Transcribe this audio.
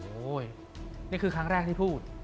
โอ้โหนี่คือครั้งแรกที่พูด